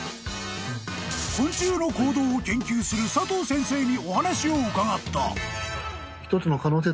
［昆虫の行動を研究する佐藤先生にお話を伺った］